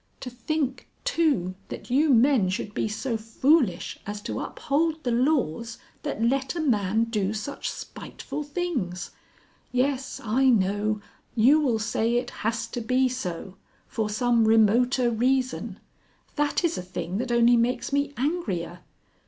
"To think, too, that you men should be so foolish as to uphold the laws that let a man do such spiteful things. Yes I know; you will say it has to be so. For some remoter reason. That is a thing that only makes me angrier.